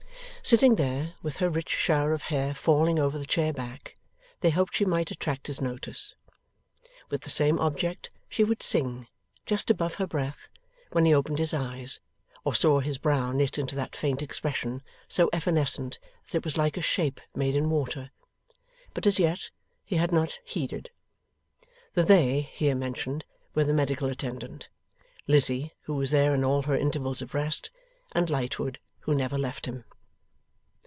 Sitting there, with her rich shower of hair falling over the chair back, they hoped she might attract his notice. With the same object, she would sing, just above her breath, when he opened his eyes, or she saw his brow knit into that faint expression, so evanescent that it was like a shape made in water. But as yet he had not heeded. The 'they' here mentioned were the medical attendant; Lizzie, who was there in all her intervals of rest; and Lightwood, who never left him.